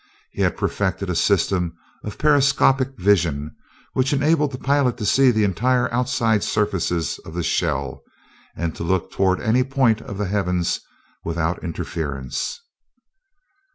He had perfected a system of periscopic vision, which enabled the pilot to see the entire outside surfaces of the shell, and to look toward any point of the heavens without interference.